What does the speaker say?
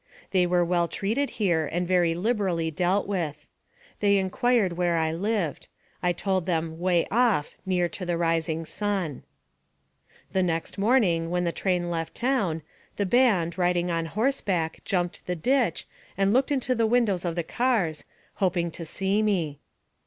They were well treated here and very liberally dealt with. They inquired where I lived; I told them way off, near to the rising sun. The next morning, when the train left town, the band, riding on horseback, jumped the ditch, and looked into the windows of the cars, hoping to see me.